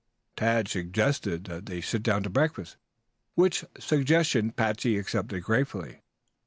Tad suggested that they sit down to breakfast, which suggestion Patsey accepted gratefully.